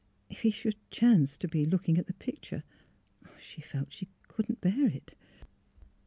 If he should chance to be looking at the picture — she felt that she could not bear it.